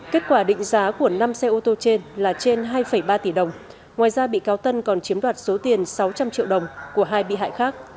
kết quả định giá của năm xe ô tô trên là trên hai ba tỷ đồng ngoài ra bị cáo tân còn chiếm đoạt số tiền sáu trăm linh triệu đồng của hai bị hại khác